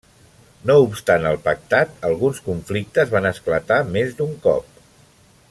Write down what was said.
No obstant el pactat, alguns conflictes van esclatar més d'un cop.